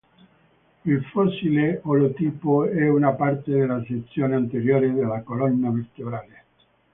Il fossile olotipo è una parte della sezione anteriore della colonna vertebrale.